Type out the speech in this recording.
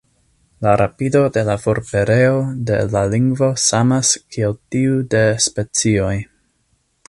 La rapido de la forpereo de la lingvo samas kiel tiu de specioj.